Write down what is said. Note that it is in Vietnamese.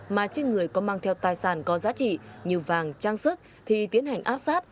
đang theo tài sản có giá trị như vàng trang sức thì tiến hành áp sát